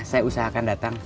saya usahakan datang